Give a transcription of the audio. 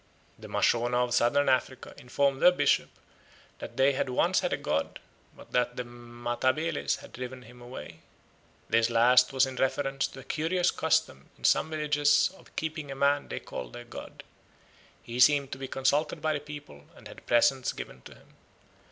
The Mashona of Southern Africa informed their bishop that they had once had a god, but that the Matabeles had driven him away. "This last was in reference to a curious custom in some villages of keeping a man they called their god. He seemed to be consulted by the people and had presents given to him.